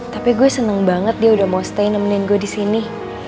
tapi gue seneng banget dia udah mau stay nemenin gue di sini